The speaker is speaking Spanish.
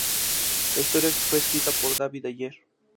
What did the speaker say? La historia fue escrita por David Ayer.